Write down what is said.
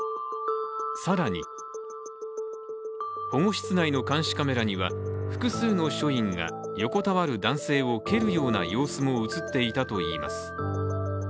更に保護室内の監視カメラには複数の署員が横たわる男性を蹴るような様子も映っていたといいます。